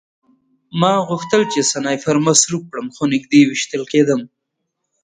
ما غوښتل چې سنایپر مصروف کړم خو نږدې ویشتل کېدم